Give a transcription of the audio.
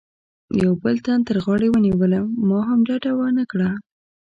یوه بل تن تر غاړې ونیولم، ما هم ډډه و نه کړه.